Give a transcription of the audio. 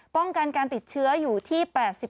ป้องกันการติดเชื้ออยู่ที่๘๕